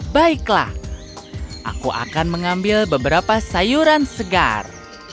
baiklah aku akan mengambil beberapa sayuran segar